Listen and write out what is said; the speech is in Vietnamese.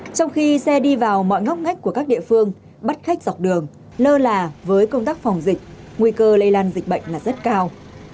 trong khi xe đi vào mọi ngóc ngách của các địa phương bắt khách dọc đường lơ là với công tác phòng dịch nguy cơ lây lan dịch bệnh là rất cao